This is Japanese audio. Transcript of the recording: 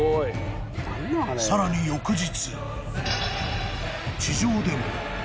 ［さらに翌日］